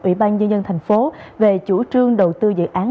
ủy ban nhân dân thành phố về chủ trương đầu tư dự án